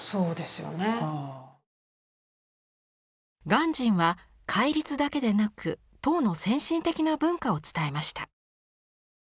鑑真は戒律だけでなく唐の先進的な文化を伝えました。